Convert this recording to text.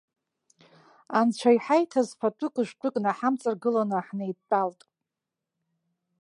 Анцәа иҳаиҭаз фатәык-жәтәык наҳамҵаргыланы ҳнеидтәалт.